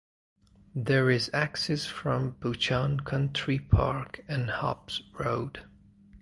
There is access from Buchan Country Park and Hobbs Road.